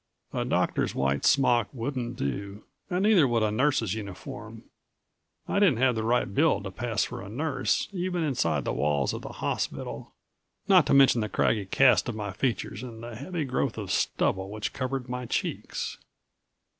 A doctor's white smock wouldn't do, and neither would a nurse's uniform. I didn't have the right build to pass for a nurse even inside the walls of the hospital, not to mention the craggy cast of my features and the heavy growth of stubble which covered my cheeks.